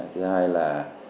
thứ hai là